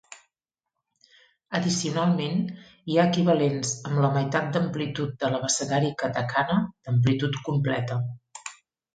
Addicionalment, hi ha equivalents amb la meitat d'amplitud de l'abecedari katakana d'amplitud completa.